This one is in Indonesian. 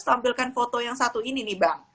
tampilkan foto yang satu ini nih bang